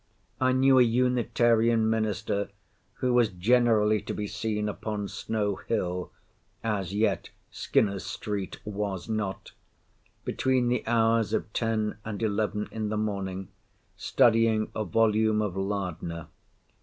I knew a Unitarian minister, who was generally to be seen upon Snow hill (as yet Skinner's street was not), between the hours of ten and eleven in the morning, studying a volume of Lardner.